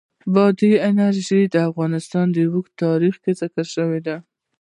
بادي انرژي د افغانستان په اوږده تاریخ کې ذکر شوی دی.